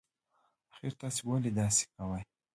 اخر تاسي ولې داسی کوئ